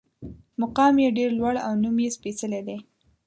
مقام یې ډېر لوړ او نوم یې سپېڅلی دی.